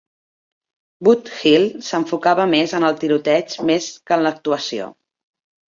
"Boot Hill" s'enfocava més en el tiroteig més que en l'actuació.